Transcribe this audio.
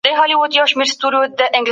آيت په حضرت پيغمبر ص نازل سو.